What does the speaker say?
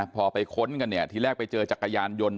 พอไปค้นกันทีแรกไปเจอจากกายานยนต์